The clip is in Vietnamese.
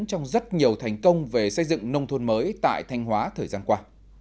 trong rất nhiều thành công về xây dựng nông thôn mới tại thanh hóa thời gian qua